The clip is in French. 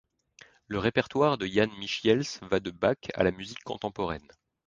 Le répertoire de Jan Michiels va de Bach à la musique contemporaine.